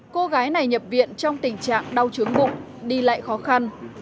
cô gái này nhập viện trong tình trạng đau trướng bụng đi lại khó khăn